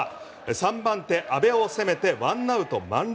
３番手、阿部を攻めて１アウト満塁。